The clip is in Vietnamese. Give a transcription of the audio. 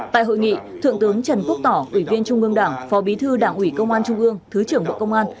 tại hội nghị thượng tướng trần quốc tỏ ủy viên trung ương đảng phó bí thư đảng ủy công an trung ương thứ trưởng bộ công an